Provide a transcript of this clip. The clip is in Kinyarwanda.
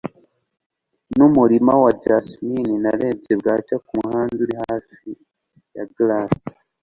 numurima wa jasimine narebye bwacya kumuhanda uri hafi ya grasse